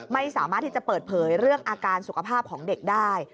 ไม่สามารถที่จะเปิดเผยเรื่องอาการสุขภาพของเด็กได้